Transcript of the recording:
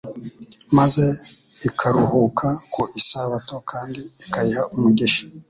maze ikaruhuka ku Isabato kandi ikayiha umugisha,